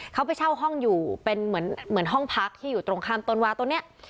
เขาไปเช่าห้องอยู่เป็นเหมือนห้องพักที่อยู่ตรงข้ามต้นวาตรงนี้